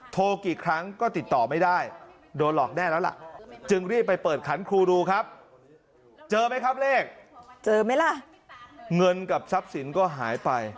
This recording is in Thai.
โทรกี่ครั้งก็ติดต่อไม่ได้โดนหลอกแน่แล้วล่ะ